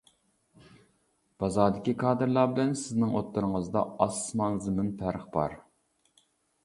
بازاردىكى كادىرلار بىلەن سىزنىڭ ئوتتۇرىڭىزدا ئاسمان-زېمىن پەرق بار.